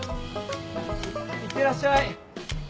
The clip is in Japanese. いってらっしゃい！